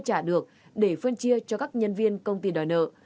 các nhân viên được trả tiền để phân chia cho các nhân viên công ty đòi nợ